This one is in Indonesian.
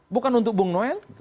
bukan untuk bung noel